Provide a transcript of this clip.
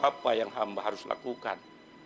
apa yang hamba harus lakukan